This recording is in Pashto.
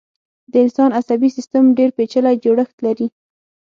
د انسان عصبي سيستم ډېر پيچلی جوړښت لري.